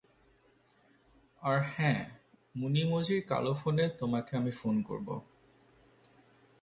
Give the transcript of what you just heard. আর হ্যাঁঁ, মুনিমজির কালো ফোনে তোমাকে আমি ফোন করবো।